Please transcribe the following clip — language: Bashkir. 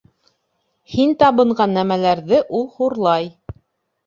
Һин табынған нәмәләрҙе ул хурлай.